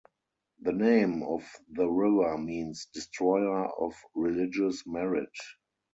The name of the river means "destroyer of religious merit".